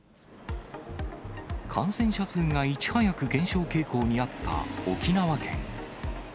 感染者数がいち早く減少傾向にあった沖縄県。